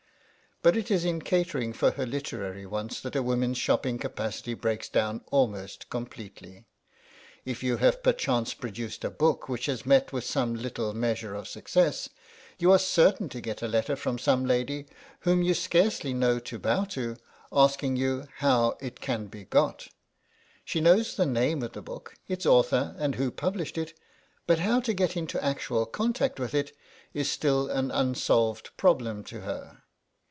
But it is in catering for her literary wants that a woman's shopping capacity breaks down most completely. If you have per chance produced a book which has met with some little measure of success, you are certain to get a letter from some lady whom you scarcely know to bow to, asking you " how it can be got." She knows the name of the book, its author, and who published it, but how to get into actual contact with it is still an unsolved problem to her.